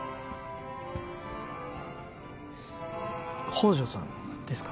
宝条さんですか？